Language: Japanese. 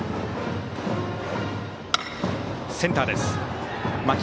センターです。